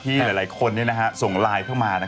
หลายคนส่งไลน์เข้ามา